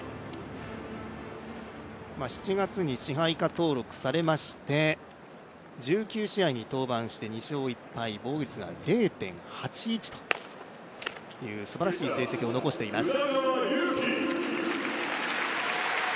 ７月に支配下登録されまして１９試合に登板して２勝１敗、防御率が０．８１というすばらしい成績を残しています。